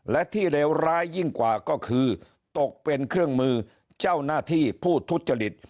และที่เลวร้ายยิ่งกว่าก็คือตกเป็นเครื่องมือเจ้าหน้าที่ผู้ทุจริต